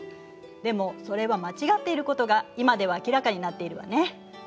でもそれは間違っていることが今では明らかになっているわね。